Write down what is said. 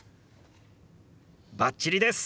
バッチリです！